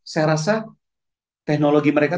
saya rasa teknologi mereka